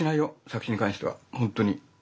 作品に関してはほんとに。